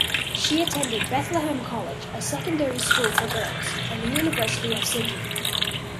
She attended Bethlehem College, a secondary school for girls, and the University of Sydney.